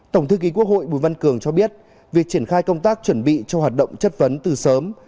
tổng thư ký quốc hội bùi văn cường cho biết việc triển khai công tác chuẩn bị cho hoạt động chất vấn từ sớm